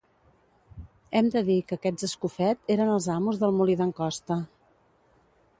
Hem de dir que aquests Escofet, eren els amos del molí d'en Costa.